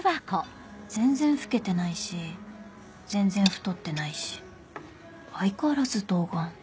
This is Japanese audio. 全然老けてないし全然太ってないし相変わらず童顔